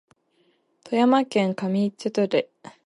富山県上市町